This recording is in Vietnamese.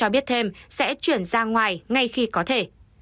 cho biết thêm sẽ chuyển ra ngoài ngay khi có thể